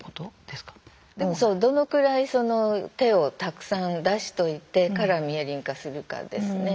そうどのくらいその手をたくさん出しといてからミエリン化するかですね。